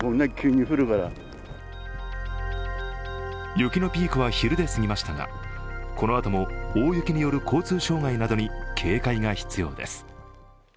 雪のピークは昼で過ぎましたがこのあとも大雪による交通障害などに警戒が必要です。